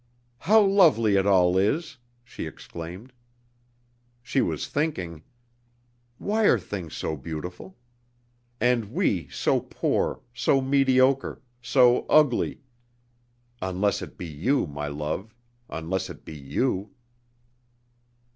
"How lovely it all is!" she exclaimed. She was thinking: "Why are things so beautiful? And we so poor, so mediocre, so ugly! (unless it be you, my love, unless it be you!)